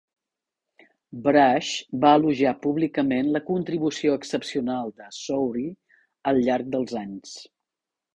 Brash va elogiar públicament la "contribució excepcional" de Sowry al llarg dels anys.